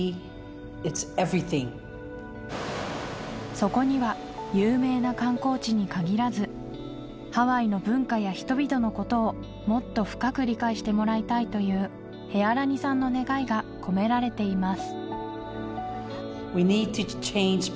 そこには有名な観光地に限らずハワイの文化や人々のことをもっと深く理解してもらいたいというヘアラニさんの願いが込められています